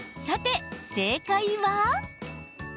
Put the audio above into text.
さて、正解は。